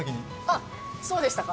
あ、そうでしたか。